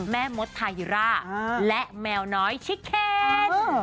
แม่มดไทยร่าและแมวน้อยชิคเก็น